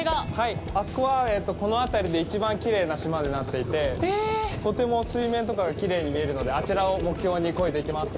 あそこはこの辺りで一番きれいな島となっていて、とても水面とかがきれいに見えるのであちらを目標に漕いでいきます。